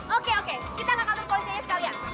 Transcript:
oke oke kita ke kantor polisinya sekalian